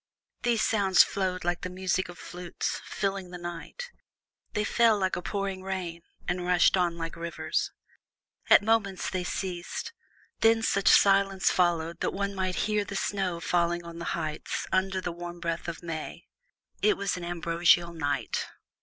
These sounds flowed like the music of flutes, filling the night; they fell like a pouring rain, and rushed on like rivers. At moments they ceased; then such silence followed that one might almost hear the snow thawing on the heights under the warm breath of May. It was an ambrosial night.